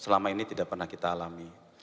selama ini tidak pernah kita alami